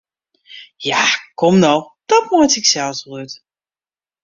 Ja, kom no, dat meitsje ik sels wol út!